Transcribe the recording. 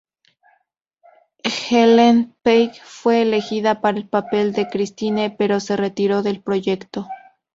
Ellen Page fue elegida para el papel de Christine, pero se retiró del proyecto.